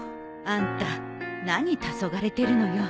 あんた何たそがれてるのよ。